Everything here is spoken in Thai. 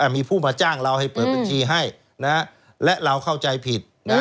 มีผู้มาจ้างเราให้เปิดบัญชีให้และเราเข้าใจผิด